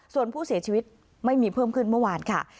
ส่วนผู้เสียชีวิตไม่มีเพิ่มขึ้นเมื่อวานค่ะ